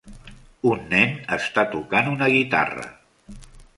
Un nen està tocant una guitarra